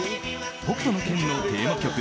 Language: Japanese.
「北斗の拳」のテーマ曲